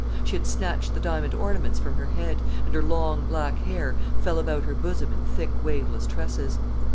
She had snatched the diamond ornaments from her head, and her long black hair fell about her bosom in thick waveless tresses.